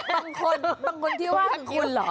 เฮ้ยบางคนที่ว่าคุณเหรอ